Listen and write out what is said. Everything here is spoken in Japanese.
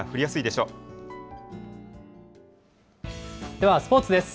ではスポーツです。